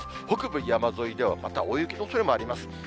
北部山沿いではまた大雪のおそれもあります。